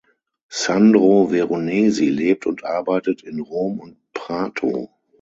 Sandro Veronesi lebt und arbeitet in Rom und Prato.